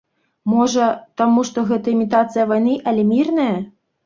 Можа, таму што гэта імітацыя вайны, але мірная?